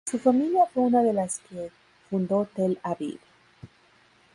Su familia fue una de las que fundó Tel Aviv.